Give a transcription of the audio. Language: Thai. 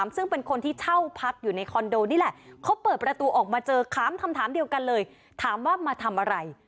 ซึ่งเป็นคนที่เช่าพักอยู่ในคอนโดนี่แหละเขาเปิดประตูออกมาเจอถามคำถามเดียวกันเลยถามว่ามาทำอะไร